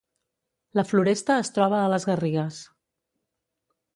La Floresta es troba a les Garrigues